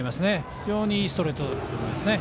非常にいいストレートだったと思いますね。